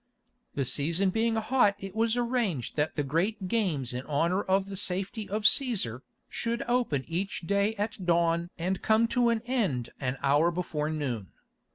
The season being hot it was arranged that the great games in honour of the safety of Cæsar, should open each day at dawn and come to an end an hour before noon.